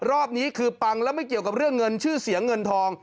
รอบนี้คือปังแล้วไม่เกี่ยวกับเรื่องเงินชื่อเสียงเงินทอง